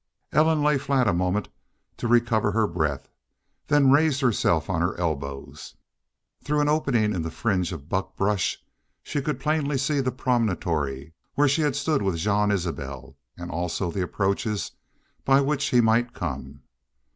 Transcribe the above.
Ellen lay flat a moment to recover her breath, then raised herself on her elbows. Through an opening in the fringe of buck brush she could plainly see the promontory where she had stood with Jean Isbel, and also the approaches by which he might come.